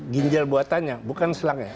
jinjal buatannya bukan selangnya